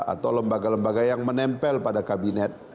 atau lembaga lembaga yang menempel pada kabinet